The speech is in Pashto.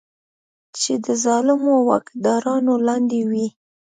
چې د ظالمو واکدارانو لاندې وي.